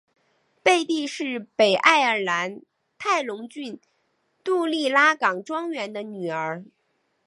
贝蒂是北爱尔兰泰隆郡杜利拉冈庄园的女儿。